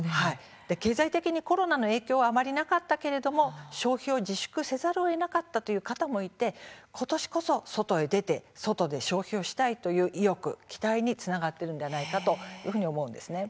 経済的にコロナの影響はあまりなかったけれども消費を自粛せざるをえなかったという方もいてことしこそ外に出て外で消費をしたいという意欲や期待につながっているのではないかと思います。